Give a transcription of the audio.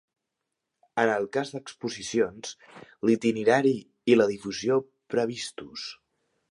En el cas d'exposicions, l'itinerari i la difusió previstos.